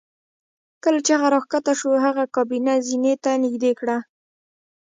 کله چې هغه راښکته شو هغې کابینه زینې ته نږدې کړه